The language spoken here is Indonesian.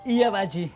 iya pak ji